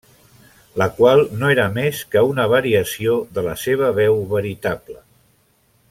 La qual no era més que una variació de la seva veu veritable.